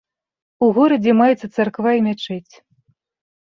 У горадзе маецца царква і мячэць.